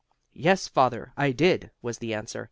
"Yes, father, I did," was the answer.